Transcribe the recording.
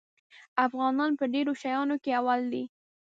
افغانان په ډېرو شیانو کې اول دي.